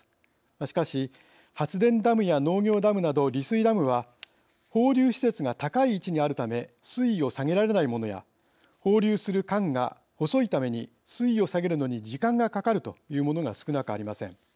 しかし、発電ダムや農業ダムなど利水ダムは放流施設が高い位置にあるため水位を下げられないものや放流する管が細いために水位を下げるのに時間がかかるというものが少なくありません。